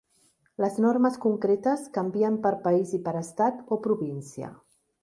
Les normes concretes canvien per país i per estat o província.